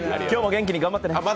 今日も元気に頑張ってね。